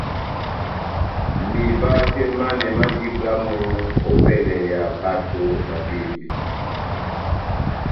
Miba tɛh manɛ mandi bwamh opɛlɛ ya bato na bembe.